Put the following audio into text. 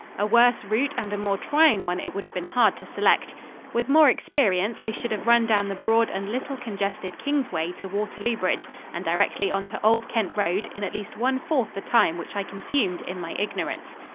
A worse route and a more trying one it would have been hard to select. With more experience, I should have run down the broad and little congested Kingsway to Waterloo Bridge and directly on to Old Kent road in at least one fourth the time which I consumed in my ignorance.